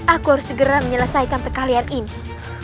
aku harus segera menyelesaikan kekalian ini